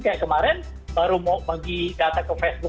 kayak kemarin baru mau bagi data ke facebook